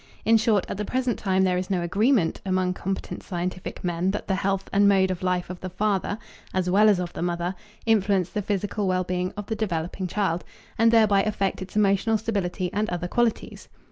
In short, at the present time there is no agreement among competent scientific men that the health and mode of life of the father, as well as of the mother, influence the physical well being of the developing child, and thereby affect its emotional stability and other qualities.